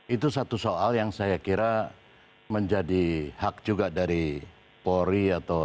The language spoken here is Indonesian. itu satu soal yang saya kira menjadi hak juga dari polri atau